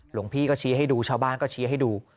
หลวงพี่ก็ชี้ให้ดูชาวบ้านก็ชี้ให้ดู